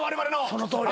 そのとおり。